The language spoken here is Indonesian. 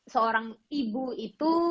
seorang ibu itu